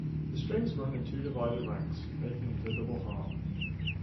The strings run in two divided ranks, making it a double harp.